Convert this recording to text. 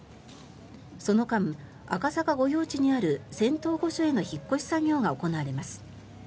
その間、赤坂御用地にある仙洞御所への引っ越し作業が行われます。